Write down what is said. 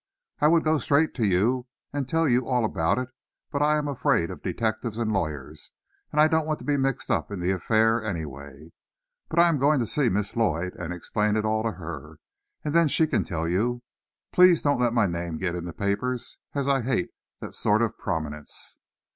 I would go straight to you, and tell you all about it, but I am afraid of detectives and lawyers, and I don't want to be mixed up in the affair anyway. But I am going to see Miss Lloyd, and explain it all to her, and then she can tell you. Please don't let my name get in the papers, as I hate that sort of prominence.